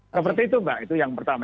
seperti itu mbak itu yang pertama